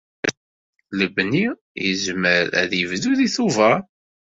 Lebni yezmer ad yebdu deg Tubeṛ.